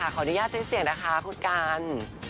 ขออนุญาตใช้เสียงนะคะคุณกัน